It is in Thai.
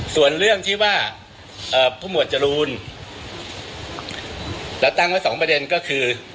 ส่วนเรื่องที่ว่าผู้หมวดจรูนเราตั้งไว้สองประเด็นก็คือ